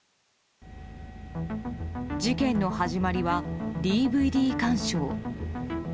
事件の始まりは、ＤＶＤ鑑賞。